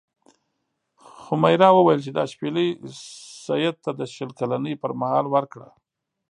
ځمیرا وویل چې دا شپیلۍ سید ته د شل کلنۍ پر مهال ورکړه.